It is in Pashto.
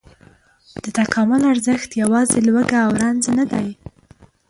د تکامل ارزښت یواځې لوږه او رنځ نه دی.